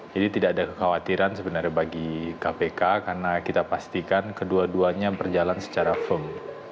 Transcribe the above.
jadi tidak ada kekhawatiran sebenarnya bagi kpk karena kita pastikan kedua duanya berjalan secara firm